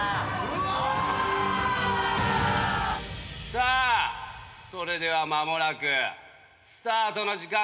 さあそれでは間もなくスタートの時間だ。